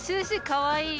かわいい？